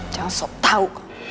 jangan sok tau